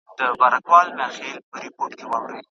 جهاد د نېکمرغۍ او شهادت لاره ده.